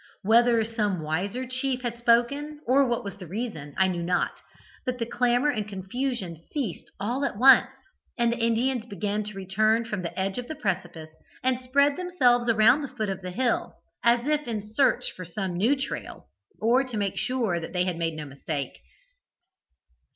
Whether some wiser chief had spoken, or what was the reason, I knew not, but the clamour and confusion ceased all at once, and the Indians began to return from the edge of the precipice, and spread themselves around the foot of the hill as if in search of some new trail, or to make sure that they had made no mistake.